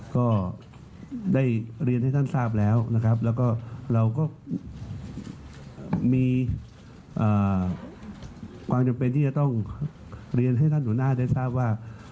ก็ได้เรียนให้ท่านทราบแล้วนะครับแล้วก็เราก็มีความจำเป็นที่จะต้องเรียนให้ท่านหัวหน้าได้ทราบว่า